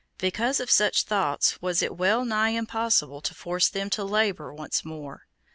Because of such thoughts was it well nigh impossible to force them to labor once more.